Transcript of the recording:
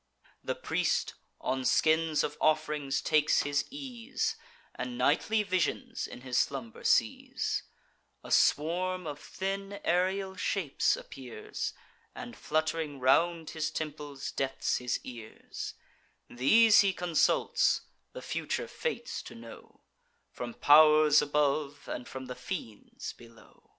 The priest on skins of off'rings takes his ease, And nightly visions in his slumber sees; A swarm of thin aerial shapes appears, And, flutt'ring round his temples, deafs his ears: These he consults, the future fates to know, From pow'rs above, and from the fiends below.